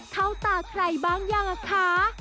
เข้าตาใครบ้างยังอะคะ